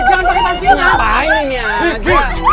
jangan pake pancing